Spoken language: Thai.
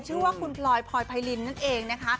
ชื่อว่าคุณพลอยพลอยไพรินนั่นเองนะคะ